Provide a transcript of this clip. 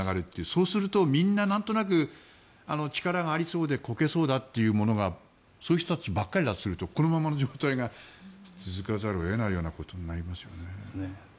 そうするとみんな、なんとなく力がありそうでこけそうだというものがそういう人たちばかりだとするとこのままの状態が続かざるを得ないことになりますよね。